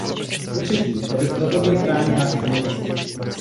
Zatřetí, tato strategie chrání náš průmysl.